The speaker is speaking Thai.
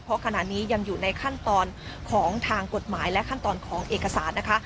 เพราะขณะนี้ยังอยู่ในขั้นตอนของทางกฎหมายและขั้นตอนของเอกสารนะคะ